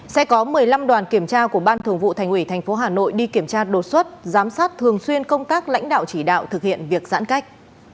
sẽ có một mươi năm đoàn kiểm tra của ban thường vụ thành ủy tp hà nội đi kiểm tra đột xuất giám sát thường xuyên công tác lãnh đạo chỉ đạo thực hiện việc giãn cách